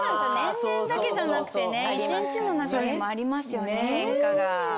年齢だけじゃなくてね一日の中にもありますよね変化が。